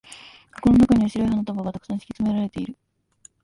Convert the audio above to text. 箱の中には白い花束が沢山敷き詰められている。